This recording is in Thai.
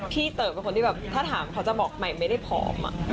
เต๋อเป็นคนที่แบบถ้าถามเขาจะบอกใหม่ไม่ได้ผอม